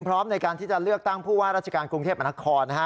พร้อมในการที่จะเลือกตั้งผู้ว่าราชการกรุงเทพมนครนะฮะ